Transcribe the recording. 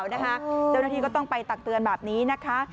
เจ้าหน้าที่ก็ต้องไปตักเตือนแบบนี้นะคะ